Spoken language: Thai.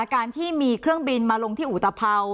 การที่มีเครื่องบินมาลงที่อุตภัวร์